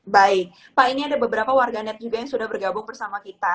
baik pak ini ada beberapa warganet juga yang sudah bergabung bersama kita